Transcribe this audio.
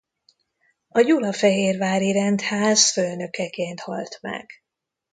A gyulafehérvári rendház főnökeként halt meg.